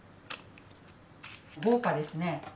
豪華ですね。